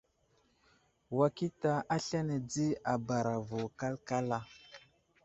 Wakita aslane di a bara vo kalkala.